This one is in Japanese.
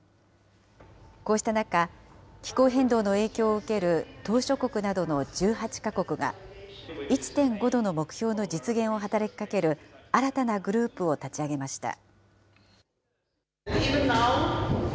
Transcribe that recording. こうした中、気候変動の影響を受ける島しょ国などの１８か国が、１．５度の目標の実現を働きかける新たなグループを立ち上げました。